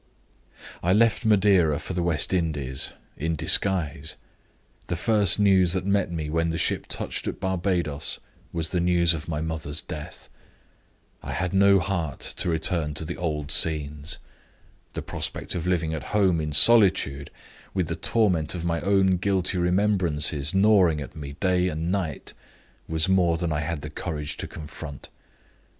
"I left Madeira for the West Indies in disguise. The first news that met me when the ship touched at Barbadoes was the news of my mother's death. I had no heart to return to the old scenes. The prospect of living at home in solitude, with the torment of my own guilty remembrances gnawing at me day and night, was more than I had the courage to confront.